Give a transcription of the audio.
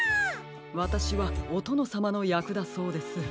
わたしはおとのさまのやくだそうです。